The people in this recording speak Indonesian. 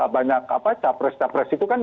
banyak apa capres capres itu kan